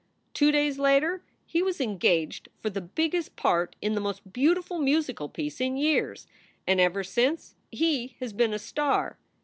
Two days later he was engaged for the biggest part in the most beautiful musical piece in years, and ever since he has been a star.